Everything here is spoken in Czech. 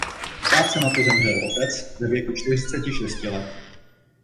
Krátce na to zemřel otec ve věku čtyřiceti šesti let.